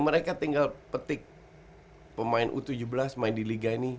mereka tinggal petik pemain u tujuh belas main di liga ini